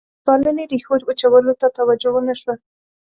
د بنسټپالنې ریښو وچولو ته توجه ونه شوه.